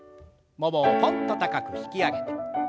ももをとんっと高く引き上げて。